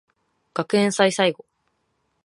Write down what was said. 学園祭最後